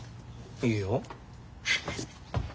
いいよ。